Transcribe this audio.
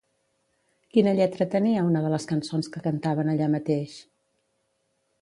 Quina lletra tenia una de les cançons que cantaven allà mateix?